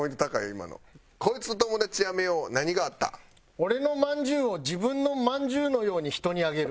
俺のまんじゅうを自分のまんじゅうのように人にあげる。